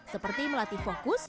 seperti melatih fokus